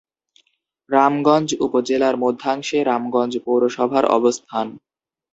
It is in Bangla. রামগঞ্জ উপজেলার মধ্যাংশে রামগঞ্জ পৌরসভার অবস্থান।